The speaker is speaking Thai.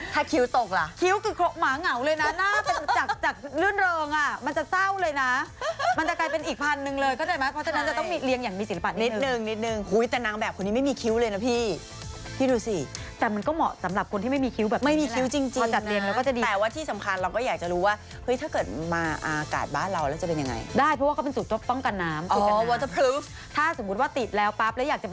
ถ้าคิวตกละคิวคือหมาเหงาเลยนะหน้าเป็นจักจักลื่นเริงอ่ะมันจะเศร้าเลยนะมันจะกลายเป็นอีกพันหนึ่งเลยเข้าใจไหมเพราะฉะนั้นจะต้องมีเลี้ยงอย่างมีศิลปะนิดหนึ่งนิดหนึ่งนิดหนึ่งแต่นางแบบคนนี้ไม่มีคิวเลยนะพี่พี่ดูสิแต่มันก็เหมาะสำหรับคนที่ไม่มีคิวแบบนี้แหละไม่มีคิวจร